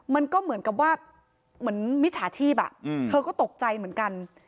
มันก็เหมือนกับว่าเหมือนมิจฉาชีพเธอก็ตกใจเหมือนกัน